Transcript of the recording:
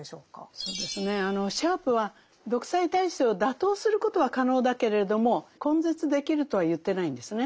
そうですねシャープは独裁体制を打倒することは可能だけれども根絶できるとは言ってないんですね。